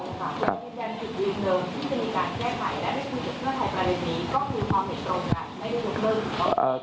ที่จะมีการแก้ไขและได้คุยกับเมื่อเท่าประเด็นนี้ก็มีความเห็นตรงกันไม่ได้ยกเลิกหรือเปล่า